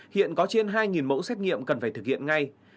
hiện có trên hai mẫu xét nghiệm cần phải thực hiện ngay